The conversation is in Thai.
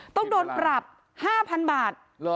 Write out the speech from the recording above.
ต้องโดนปรับ๕๐๐๐บาท